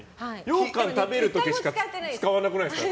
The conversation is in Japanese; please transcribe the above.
ようかん食べる時しか使わなくないですか？